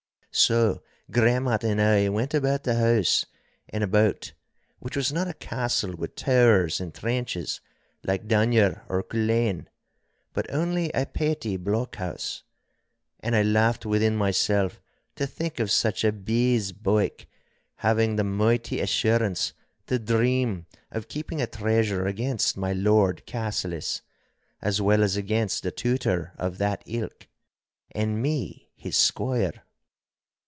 So Gremmat and I went about the house and about, which was not a castle with towers and trenches, like Dunure or Culzean, but only a petty blockhouse. And I laughed within myself to think of such a bees' byke having the mighty assurance to dream of keeping a treasure against my Lord Cassillis, as well as against the Tutor of that ilk and me, his squire.